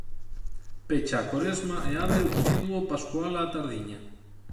Pecha a Coresma e abre o Triduo Pascual á tardiña.